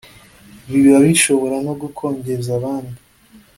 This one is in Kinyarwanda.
biba bishobora no gukongeza abandi